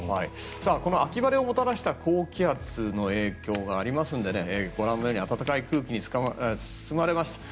この秋晴れをもたらした高気圧の影響がありますのでご覧のように暖かい空気に包まれました。